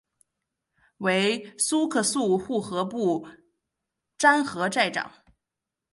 为苏克素护河部沾河寨长。